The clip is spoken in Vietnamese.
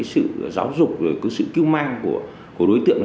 sự giáo dục sự cứu mang của đối tượng